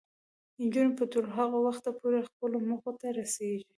نجونې به تر هغه وخته پورې خپلو موخو ته رسیږي.